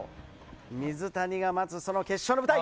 水谷が待つ決勝の舞台。